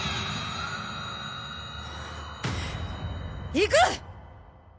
行く！